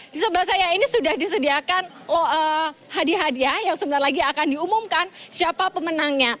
di sebelah saya ini sudah disediakan hadiah hadiah yang sebentar lagi akan diumumkan siapa pemenangnya